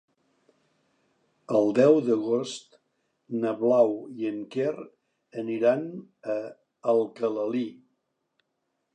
El deu d'agost na Blau i en Quer aniran a Alcalalí.